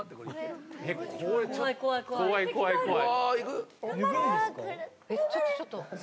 怖い、怖い、怖い。